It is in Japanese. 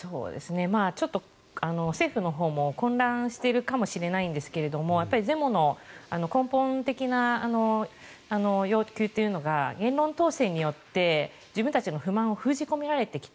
ちょっと政府のほうも混乱しているかもしれないんですがやっぱりデモの根本的な要求というのが言論統制によって自分たちの不満を封じ込められてきた。